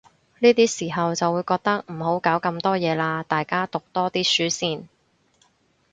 呢啲時候就會覺得，唔好搞咁多嘢喇，大家讀多啲書先